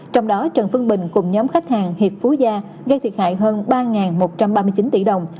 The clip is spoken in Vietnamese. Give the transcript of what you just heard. trong đó trần phương bình cùng nhóm khách hàng hiệp phú gia gây thiệt hại hơn ba một trăm ba mươi chín tỷ đồng